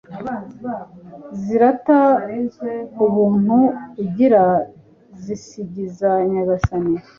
zirata ubuntu ugira, zisingiza nyagasani